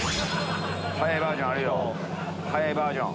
早いバージョンあるよ早いバージョン。